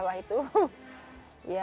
yang menurut pemerintah